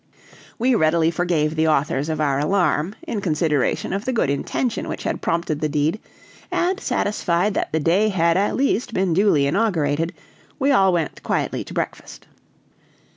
We readily forgave the authors of our alarm, in consideration of the good intention which had prompted the deed, and, satisfied that the day had at least been duly inaugurated, we all went quietly to breakfast.